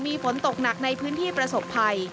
มีฝนตกหนักในพื้นที่ประสบภัย